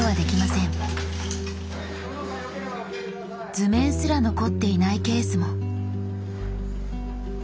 図面すら残っていないケースも。